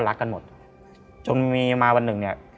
รักกันหมดจนมีมาวันหนึ่งเนี่ย